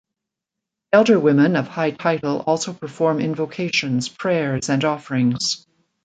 Elder women of high title also perform invocations, prayers, and offerings.